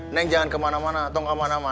neng jangan kemana mana